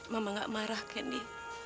mama gak marah gendy